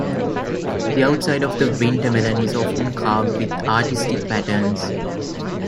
The outside of the winter melon is often carved with artistic patterns.